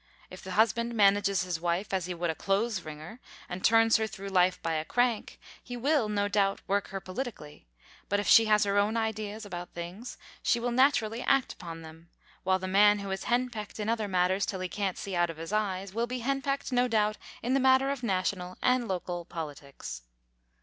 If the husband manages his wife as he would a clothes wringer, and turns her through life by a crank, he will, no doubt, work her politically; but if she has her own ideas about things, she will naturally act upon them, while the man who is henpecked in other matters till he can't see out of his eyes, will be henpecked, no doubt, in the matter of national and local politics.